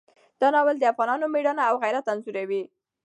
دا ناول د افغانانو مېړانه او غیرت انځوروي.